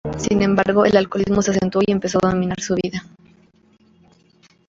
Sin embargo, el alcoholismo se acentuó y empezó a dominar su vida.